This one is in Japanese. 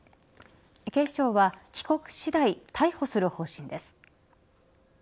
警視庁は帰国次第逮捕する方針です。